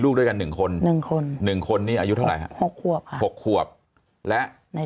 ลูกด้วยกัน๑คน๑คน๑คนนี้อายุเท่าไหร่๖ควบ๖ควบและใน